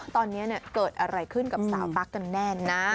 ตอนนี้เกิดอะไรขึ้นกับสาวตั๊กกันแน่นะ